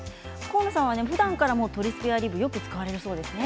河野さんは、ふだんから鶏スペアリブをよく使われるそうですね。